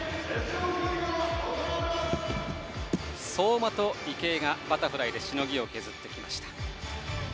相馬と池江がバタフライでしのぎを削ってきました。